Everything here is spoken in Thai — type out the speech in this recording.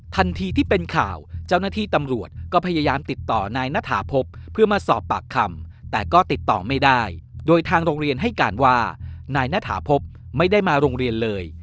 ที่เป็นข่าวเจ้าหน้าที่ตำรวจก็พยายามติดต่อนายณฐาพบเพื่อมาสอบปากคำแต่ก็ติดต่อไม่ได้โดยทางโรงเรียนให้การว่านายณฐาพบไม่ได้มาโรงเรียนเลย